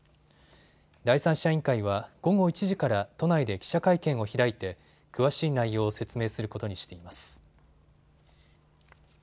第三者委員会は午後１時から都内で記者会見を開いて詳しい内容を説明することにしています。